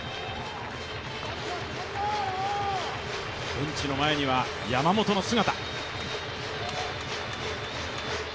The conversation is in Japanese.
ベンチの前には山本の姿。